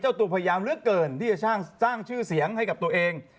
ตัวพยายามเหลือเกินที่จะสร้างชื่อเสียงให้กับตัวเอง